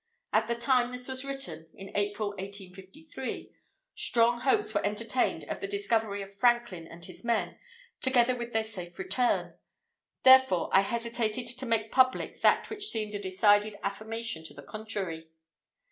At the time this was written (in April, 1853) strong hopes were entertained of the discovery of Franklin and his men, together with their safe return; therefore I hesitated to make public that which seemed a decided affirmation to the contrary.